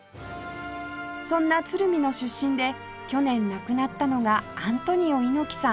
そんな鶴見の出身で去年亡くなったのがアントニオ猪木さん